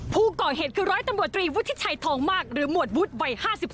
ผู้ก่อเหตุคือร้อยตำรวจตรีวุฒิชัยทองมากหรือหมวดวุฒิวัย๕๖